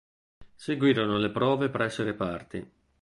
Seguirono le prove presso i reparti.